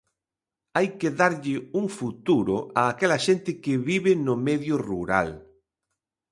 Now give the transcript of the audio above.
Hai que darlle un futuro a aquela xente que vive no medio rural.